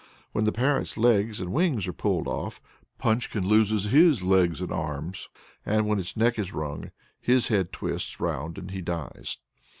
When the parrot's legs and wings are pulled off, Punchkin loses his legs and arms; and when its neck is wrung, his head twists round and he dies.